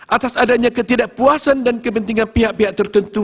atas adanya ketidakpuasan dan kepentingan pihak pihak tertentu